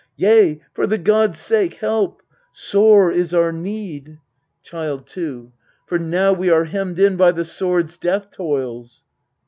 Yea, for the gods' sake, help ! Sore is our need Child 2. For now we are hemmed in by the sword's death toils